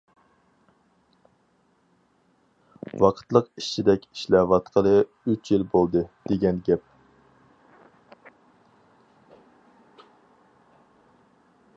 ۋاقىتلىق ئىشچىدەك ئىشلەۋاتقىلى ئۈچ يىل بولدى دېگەن گەپ.